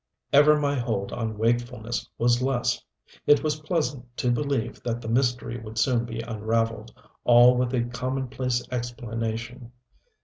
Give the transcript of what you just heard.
Ever my hold on wakefulness was less. It was pleasant to believe that the mystery would soon be unraveled, all with a commonplace explanation....